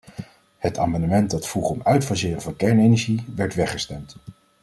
Het amendement dat vroeg om uitfaseren van kernenergie werd weggestemd.